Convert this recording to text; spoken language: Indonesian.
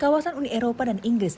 kawasan uni eropa dan inggris